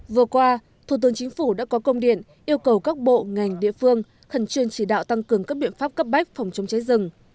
vừa qua thủ tướng chính phủ đã có công điện yêu cầu các bộ ngành địa phương khẩn trương chỉ đạo tăng cường các biện pháp cấp bách phòng chống cháy rừng